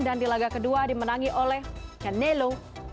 dan di laga kedua dimenangi oleh candelo